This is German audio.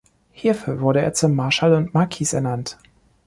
Hierfür wurde er zum Marschall und Marquis ernannt.